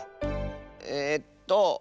えっと